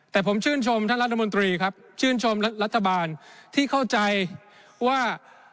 แต่ผมชื่นชมท่านรัฐมนตรีครับชื่นชมรัฐบาลที่เข้าใจว่า